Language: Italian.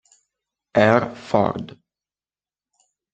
R. Ford.